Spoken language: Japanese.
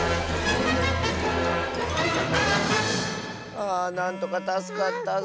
あなんとかたすかったッス。